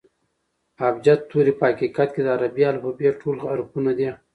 ابجد توري په حقیقت کښي د عربي الفبې ټول حرفونه دي.